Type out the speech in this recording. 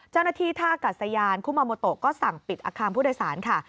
ท่ากัดสยานคุมาโมโตก็สั่งปิดอาคารผู้โดยสารค่ะ